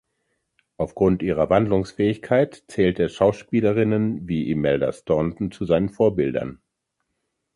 Aufgrund ihrer Wandlungsfähigkeit zählt er Schauspielerinnen wie Imelda Staunton zu seinen Vorbildern.